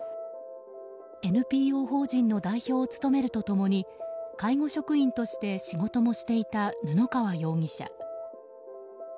ＮＰＯ法人の代表を務めると共に、介護職員として仕事もしていた布川容疑者。